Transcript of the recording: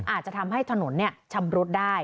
อาจจะทำให้ถนนชำรุดได้